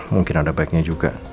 mungkin ada baiknya juga